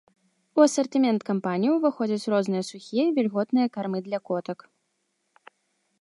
У асартымент кампаніі ўваходзяць розныя сухія і вільготныя кармы для котак.